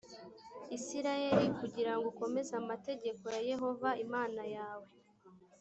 isirayeli kugira ngo ukomeze amategeko ya yehova imana yawe